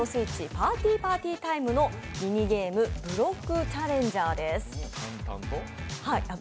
「パーティーパーティータイム」のミニゲーム、「ブロックチェンジャー」です。